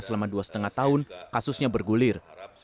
selama dua lima tahun kasusnya bergulir